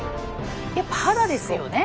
やっぱ肌ですよね。